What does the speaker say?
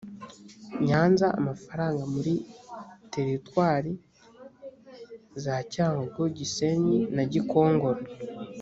nyanza amafaranga muri teritwari za cyangugu gisenyi na gikongoro